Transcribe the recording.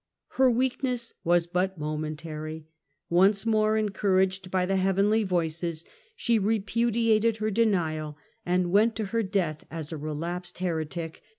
Her weakness was but momentary ; once more encour aged by the heavenly voices, she repudiated her denial and went to her death as a relapsed heretic.